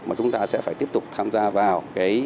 mà chúng ta sẽ phải tiếp tục tham gia vào